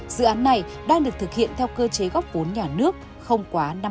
dự án này đang được thực hiện theo cơ chế góp vốn nhà nước không quá năm mươi